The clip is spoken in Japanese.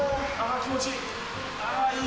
気持ちいい。